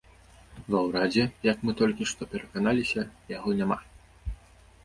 Ва ўрадзе, як мы толькі што пераканаліся, яго няма.